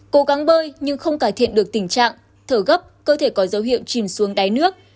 cố gắng bơi nhưng không cải thiện được tình trạng thở gấp cơ thể có dấu hiệu chìm xuống đáy nước